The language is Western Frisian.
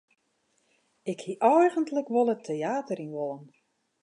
Ik hie eigentlik wol it teäter yn wollen.